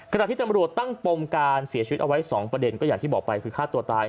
ขณะที่ตำรวจตั้งปมการเสียชีวิตเอาไว้๒ประเด็นก็อย่างที่บอกไปคือฆ่าตัวตาย